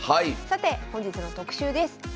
さて本日の特集です。